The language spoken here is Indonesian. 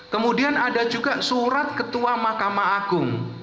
kemudian ada juga surat ketua mahkamah agung